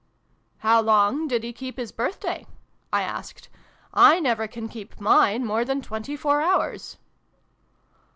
" How long did he keep his birthday ?" I asked. <: I never can keep mine more than twenty four hours."